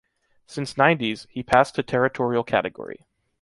Since ninety's, he passed to territorial category.